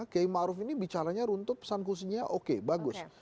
kayaknya pak arief ini bicaranya runtuh pesan kursinya oke bagus